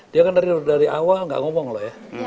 dia kan dari awal nggak ngomong loh ya